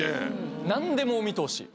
何でもお見通し。